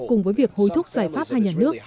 cùng với việc hối thúc giải pháp hai nhà nước